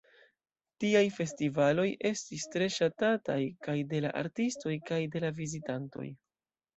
Tiaj festivaloj estis tre ŝatataj kaj de la artistoj kaj de la vizitantoj.